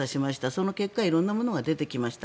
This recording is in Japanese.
その結果、色んなものが出てきました。